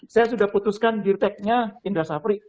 saya sudah putuskan dirteknya indra safri